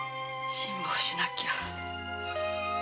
辛抱しなきゃ。